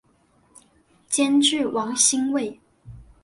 监制王心慰。